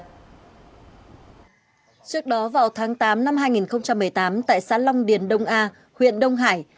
trước đó vào tháng tám năm hai nghìn một mươi tám tại xã long điền đông a huyện đông hải